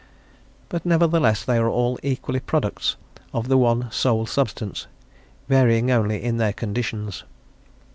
But nevertheless they are all equally products of the one sole substance, varying only in their conditions.